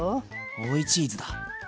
追いチーズだ。